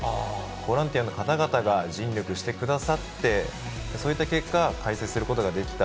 ボランティアの方々が尽力してくださって、そういった結果、開催することができた。